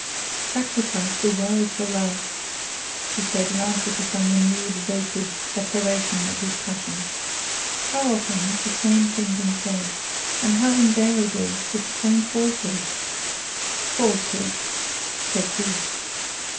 'Sacrifice the world for love!' said she, in answer to some renewed rapid declaration of his passion, 'how often has the same thing been said, and how invariably with the same falsehood!' 'Falsehood,' said he.